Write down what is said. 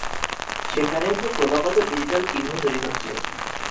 সেখানেও তো ক্রমাগত ডিজিটাল চিহ্ন তৈরি হচ্ছে।